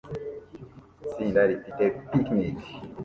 Itsinda rifite picnic